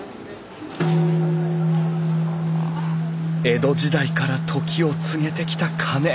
江戸時代から時を告げてきた鐘。